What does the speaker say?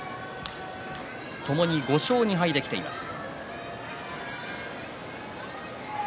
ともに５勝２敗できています。